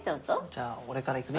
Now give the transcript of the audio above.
じゃあ俺からいくね。